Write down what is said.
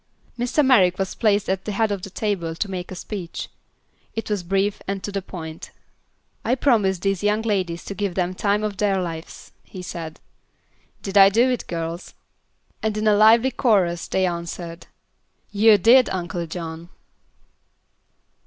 Mr. Merrick was placed at the head of the table to make a speech. It was brief and to the point. "I promised these young ladies to give them time of their lives," he said, "Did I do it, girls?" And in a lively chorus they answered: "You did, Uncle John!"